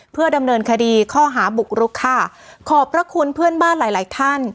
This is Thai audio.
เพื่อดำเนินคดีข้อหาบุกรุกค่ะขอบพระคุณเพื่อนบ้านหลายหลายท่าน